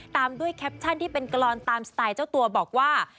ตามด้วยแคปชั่นที่เป็นกรอนตามสไตล์เจ้าตัวบอกว่า